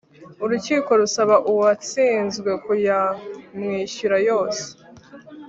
urukiko rusaba uwatsinzwe kuyamwishyura yose